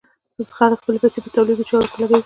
خلک خپلې پيسې په تولیدي چارو کې لګوي.